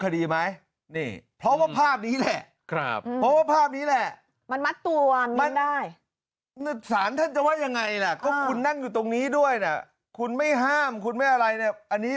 เดี๋ยวต้องฟังนะเพราะว่าอย่างที่เราบอกไป